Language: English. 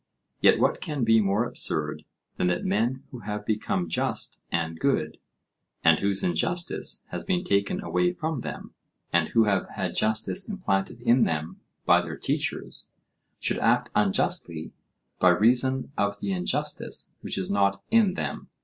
Yet what can be more absurd than that men who have become just and good, and whose injustice has been taken away from them, and who have had justice implanted in them by their teachers, should act unjustly by reason of the injustice which is not in them?